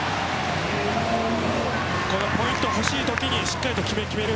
このポイント欲しいときにしっかり決める。